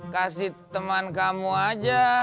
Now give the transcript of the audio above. kasih teman kamu aja